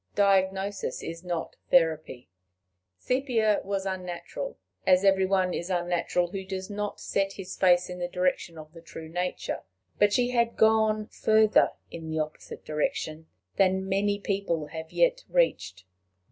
Diagnosis is not therapy. Sepia was unnatural as every one is unnatural who does not set his face in the direction of the true Nature; but she had gone further in the opposite direction than many people have yet reached.